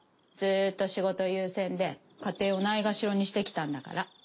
ずっと仕事優先で家庭をないがしろにしてきたんだから。